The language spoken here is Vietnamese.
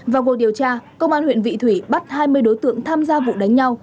vào cuộc điều tra công an huyện vị thủy bắt hai mươi đối tượng tham gia vụ đánh nhau